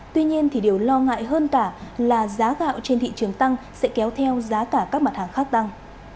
tuy nhiên điều lo ngại hơn cả là giá gạo trên thị trường tăng sẽ kéo theo giá cả các mặt hàng khác tăng